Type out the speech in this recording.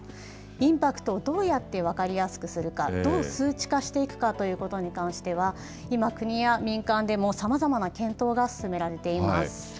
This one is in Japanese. インパクトをどうやって分かりやすくするか、どう数値化していくかということに関しては今、国や民間でもさまざまな検討が進められています。